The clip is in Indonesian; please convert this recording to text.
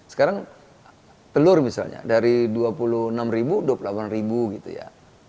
sekarang telur misalnya dari dua puluh enam ribu dua puluh delapan ribu gitu ya